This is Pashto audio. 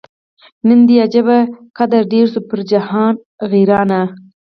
نن دي عجبه قدر ډېر سو پر جهان غیرانه